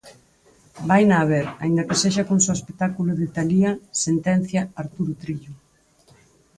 "Vaina haber, aínda que sexa cun só espectáculo de Talía", sentencia Artur Trillo.